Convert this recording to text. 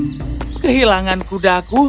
lalu kehilangan kudaku